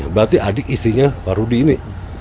berarti adik isinya pak rudi ini